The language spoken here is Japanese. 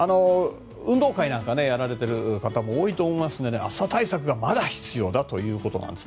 運動会なんかをやられている方も多いと思いますので、暑さ対策がまだ必要ということです。